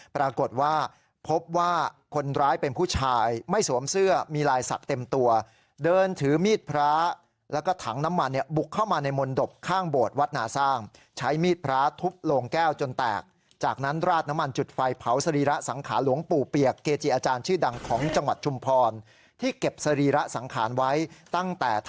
ปรากฏว่าพบว่าคนร้ายเป็นผู้ชายไม่สวมเสื้อมีลายศักดิ์เต็มตัวเดินถือมีดพระแล้วก็ถังน้ำมันเนี่ยบุกเข้ามาในมนตบข้างโบสถวัดนาสร้างใช้มีดพระทุบโลงแก้วจนแตกจากนั้นราดน้ำมันจุดไฟเผาสรีระสังขารหลวงปู่เปียกเกจิอาจารย์ชื่อดังของจังหวัดชุมพรที่เก็บสรีระสังขารไว้ตั้งแต่ท